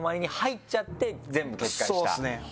そうですね